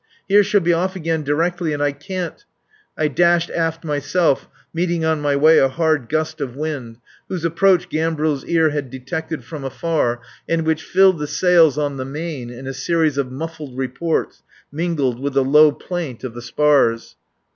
Here she'll be off again directly and I can't. ..." I dashed aft myself meeting on my way a hard gust of wind whose approach Gambril's ear had detected from afar and which filled the sails on the main in a series of muffled reports mingled with the low plaint of the spars.